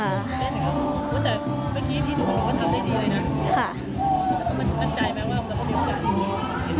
แต่เมื่อกี้ทีทุกคนถ้าทำได้ดีเลยนะ